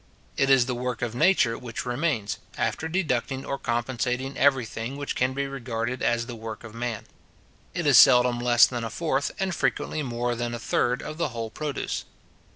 It is the work of Nature which remains, after deducting or compensating every thing which can be regarded as the work of man. It is seldom less than a fourth, and frequently more than a third, of the whole produce.